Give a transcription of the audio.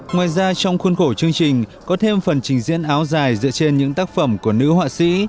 ngoài ra trong khuôn khổ chương trình có thêm phần trình diễn áo dài dựa trên những tác phẩm của nữ họa sĩ